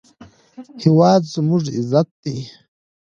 هېواد زموږ عزت دی